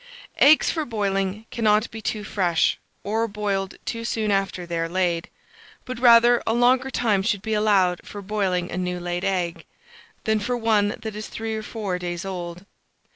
Eggs for boiling cannot be too fresh, or boiled too soon after they are laid; but rather a longer time should be allowed for boiling a new laid egg than for one that is three or four days old.